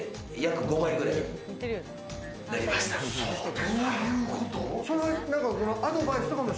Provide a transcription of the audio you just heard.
どういうこと？